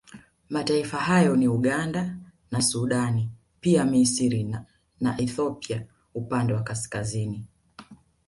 Mataifa hayo ni Uganda na Sudan pia Misri na Ethiopia upande wa kaskazini